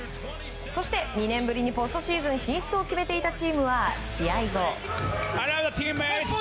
そして、２年ぶりにポストシーズン進出を決めていたチームは試合後。